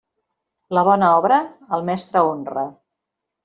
La bona obra, al mestre honra.